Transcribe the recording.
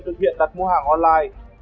tự hiện đặt mua hàng online